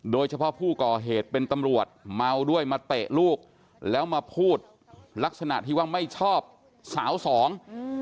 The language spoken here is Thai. โดยเฉพาะผู้ก่อเหตุเป็นตำรวจเมาด้วยมาเตะลูกแล้วมาพูดลักษณะที่ว่าไม่ชอบสาวสอง